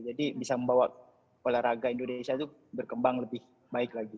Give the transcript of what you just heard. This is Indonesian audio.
jadi bisa membawa olahraga indonesia itu berkembang lebih baik lagi